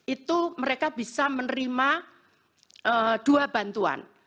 itu mereka bisa menerima dua bantuan